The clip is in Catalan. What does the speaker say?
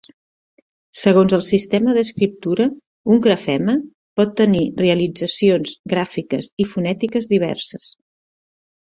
Segons el sistema d'escriptura, un grafema pot tenir realitzacions gràfiques i fonètiques diverses.